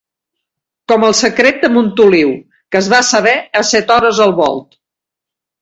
Com el secret de Montoliu, que es va saber a set hores al volt.